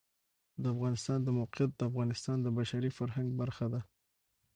د افغانستان د موقعیت د افغانستان د بشري فرهنګ برخه ده.